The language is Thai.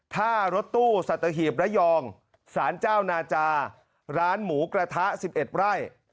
ท่ารถตู้สัตหีบระยองสารเจ้านาจาร้านหมูกระทะ๑๑ไร่